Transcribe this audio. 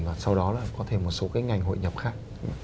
và sau đó là có thể một số cái ngành hội nhập khác